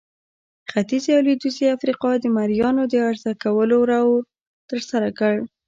ختیځې او لوېدیځې افریقا د مریانو د عرضه کولو رول ترسره کړ.